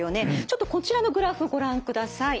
ちょっとこちらのグラフご覧ください。